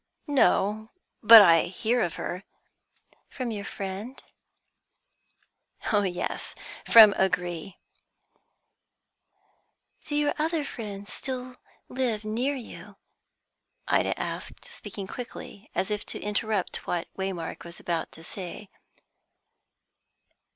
"No; but I hear of her." "From your friend?" "Yes, from O'Gree." "Do your other friends still live near you?" Ida asked, speaking quickly, as if to interrupt what Waymark was about to say.